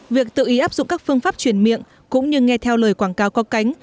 việc tự ý áp dụng các phương pháp chuyển miệng cũng như nghe theo lời quảng cáo có cánh